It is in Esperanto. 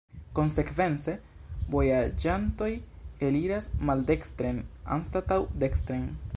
Konsekvence, vojaĝantoj eliras maldekstren anstataŭ dekstren.